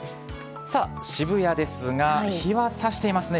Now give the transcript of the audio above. さあ、渋谷ですが、日はさしていますね。